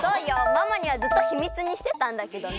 ママにはずっとヒミツにしてたんだけどね。